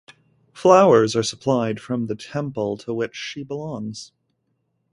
Flowers are supplied from the temple to which she belongs.